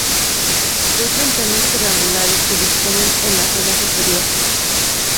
Dos ventanas cuadrangulares se disponen en la zona superior.